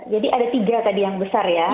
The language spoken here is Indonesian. jadi ada tiga tadi yang besar ya